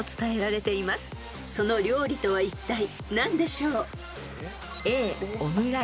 ［その料理とはいったい何でしょう？］